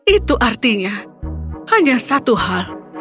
itu artinya hanya satu hal